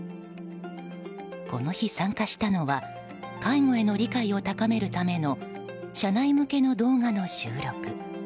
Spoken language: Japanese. この日、参加したのは介護への理解を高めるための社内向けの動画の収録。